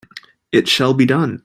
It shall be done!